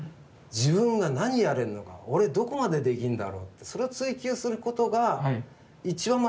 自分が何やれるのか俺どこまでできるんだろうってそれを追求することが一番真面目な姿勢だと思うんですよ。